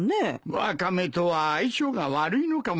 ワカメとは相性が悪いのかもしれんな。